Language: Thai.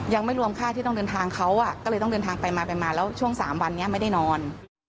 ยังไม่รวมค่าที่ต้องเดินทางเขาก็เลยต้องเดินทางไปมาไปมาแล้วช่วง๓วันนี้ไม่ได้นอน